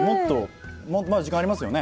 まだ時間ありますよね？